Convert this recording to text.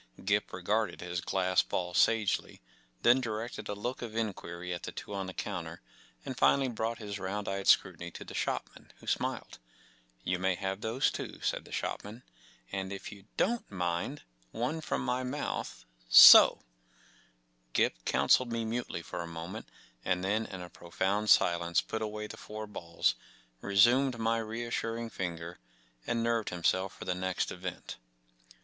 Gip regarded his glass ball sagely, then directed a look of inquiry at the two on the counter, and finally brought his round eyed scrutiny to the shop¬ man, who smiled. “You may have those too," said the shop¬ man, 4 ‘and, if you don't mind, one from my mouth. So f n Gip counselled me mutely for a moment, and then in a pro found silence put away the four balls, re¬ sumed my reassuring finger, and nerved himself for the next event.